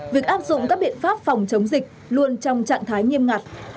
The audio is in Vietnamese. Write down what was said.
việc áp dụng các biện pháp phòng chống dịch luôn trong trạng thái nghiêm ngặt